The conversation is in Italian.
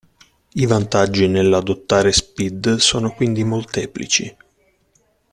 I vantaggi nell'adottare SPID sono quindi molteplici.